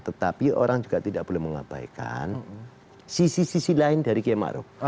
tetapi orang juga tidak boleh mengabaikan sisi sisi lain dari kmaru